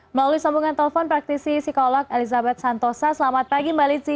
melalui sambungan telepon praktisi psikolog elizabeth santosa selamat pagi mbak lizzie